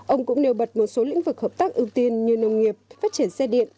ông cũng nêu bật một số lĩnh vực hợp tác ưu tiên như nông nghiệp phát triển xe điện